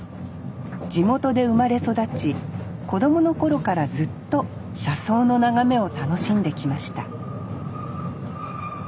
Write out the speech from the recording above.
地元で生まれ育ち子供の頃からずっと車窓の眺めを楽しんできました